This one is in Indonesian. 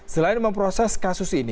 selain memproses kasus